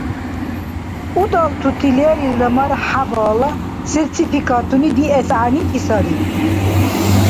Удалтути лерилра мархӀябала сертификатуни диэс гӀягӀнити сари.